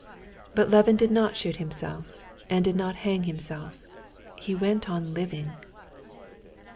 But Levin did not shoot himself, and did not hang himself; he went on living.